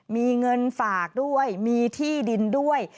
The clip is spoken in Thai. มีเงินฝากด้วยมีที่ดินด้วย